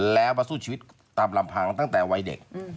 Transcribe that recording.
แล้วมาสู้ชีวิตตามลำพังตั้งแต่วัยเด็ก